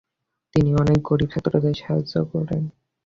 তিনি অনেক গরীব ছা্ত্রদের সাহায্যও করেন ।